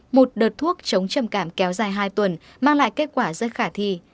một đợt thuốc chống trầm cảm kéo dài hai tuần mang lại kết quả rất khả thi